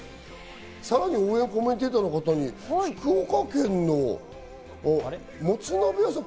さらに応援コメンテーターの方に福岡県のもつ鍋屋さん？